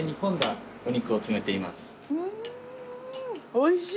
おいしい！